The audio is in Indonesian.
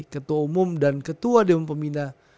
ketua umum dan ketua diom pemindah